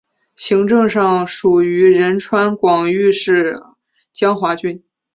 行政上属于仁川广域市江华郡。